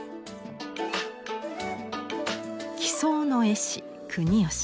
奇想の絵師国芳。